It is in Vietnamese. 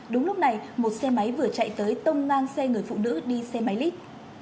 đúng lúc này một xe máy vừa chạy tới tông ngang xe người phụ nữ đi xe máy lit